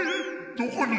どこに？